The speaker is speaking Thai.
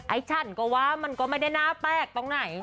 ฉันก็ว่ามันก็ไม่ได้น่าแปลกตรงไหน